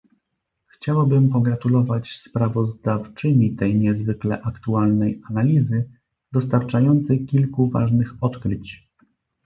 Chciałabym pogratulować sprawozdawczyni tej niezwykle aktualnej analizy, dostarczającej kilku ważnych odkryć